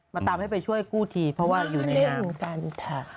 มาตามให้ไปช่วยกู้ทีเพราะว่าอยู่ในน้ำมาเล่นกันนะครับ